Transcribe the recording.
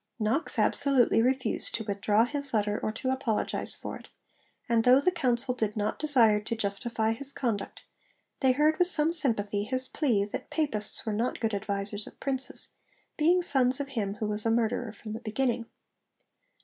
Knox absolutely refused to withdraw his letter or to apologise for it: and though the Council did not desire to justify his conduct, they heard with some sympathy his plea that Papists were not good advisers of princes, being sons of him who was 'a murderer from the beginning.'